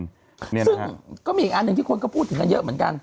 ซึ่งก็มีอีกอันหนึ่งที่คนก็พูดถึงกันเยอะเหมือนกัน